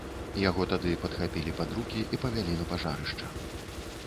Яго тады падхапілі пад рукі і павялі на пажарышча.